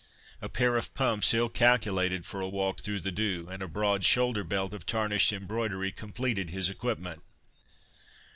A pair of pumps, ill calculated for a walk through the dew, and a broad shoulderbelt of tarnished embroidery, completed his equipment.